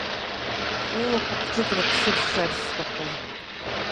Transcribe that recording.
Есть и другие варианты, которые можно было бы изучить более внимательно.